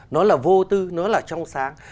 nó là vô tư nó là trong sáng